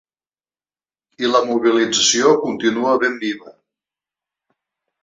I la mobilització continua ben viva.